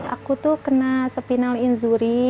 aku tuh kena spinal injury